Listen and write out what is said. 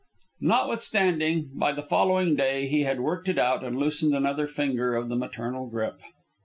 Notwithstanding, by the following day he had worked it out and loosened another finger of the maternal grip.